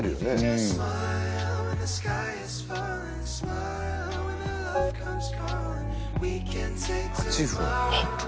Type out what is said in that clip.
うん８分８分